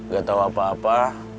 gak tau apa apa